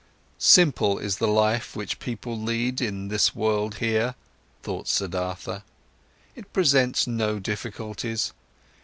"Simple is the life which people lead in this world here," thought Siddhartha. "It presents no difficulties.